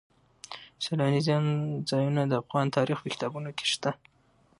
سیلاني ځایونه د افغان تاریخ په کتابونو کې شته.